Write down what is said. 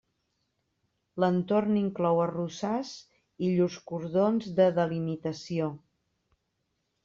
L'entorn inclou arrossars i llurs cordons de delimitació.